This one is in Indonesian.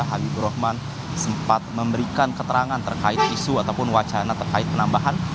habibur rahman sempat memberikan keterangan terkait isu ataupun wacana terkait penambahan